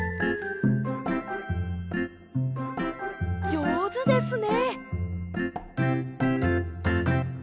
じょうずですね。